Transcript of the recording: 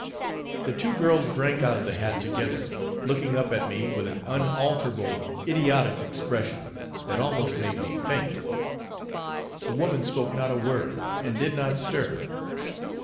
The two girls drank out of the hat together; looking up at me with an unalterable, idiotic expression, that almost made me faint. The woman spoke not a word, and did not stir.